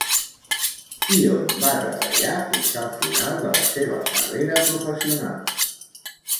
I on va treballar fins al final de la seva carrera professional?